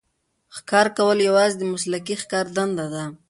ښکار کول یوازې د مسلکي ښکاري دنده ده.